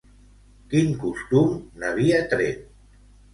Quin costum n'havia tret?